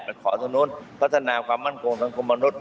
ขอตรงนู้นพัฒนาความมั่นคงสังคมมนุษย